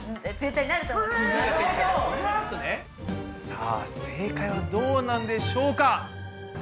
さあ正解はどうなんでしょうか？